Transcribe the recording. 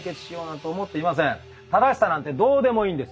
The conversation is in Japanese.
「正しさ」なんてどうでもいいんです。